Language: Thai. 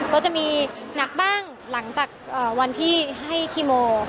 ก็จะมีหนักบ้างหลังจากวันที่ให้คีโม